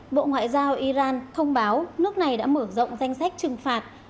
bộ ngoại giao iran thông báo nước này đã mở rộng danh sách trừng phạt